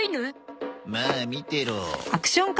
まあ見てろ。